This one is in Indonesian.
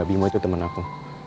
bimo itu temen aku